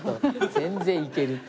「全然いける」って。